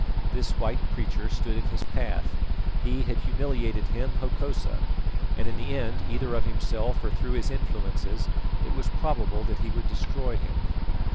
This white preacher stood in his path; he had humiliated him, Hokosa, and in the end, either of himself or through his influences, it was probable that he would destroy him.